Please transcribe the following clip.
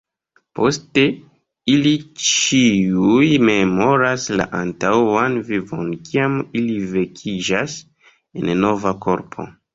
Poste ili ĉiuj memoras la antaŭan vivon kiam ili vekiĝas en nova korpo.